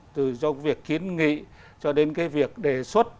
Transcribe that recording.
từ do việc kiến nghị cho đến cái việc đề xuất